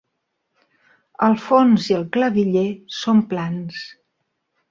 El fons i el claviller són plans.